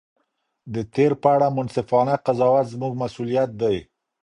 د تېر په اړه منصفانه قضاوت زموږ مسؤلیت دی.